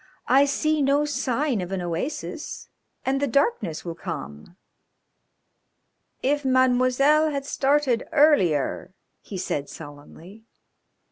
"I see no sign of an oasis, and the darkness will come." "If Mademoiselle had started earlier " he said sullenly.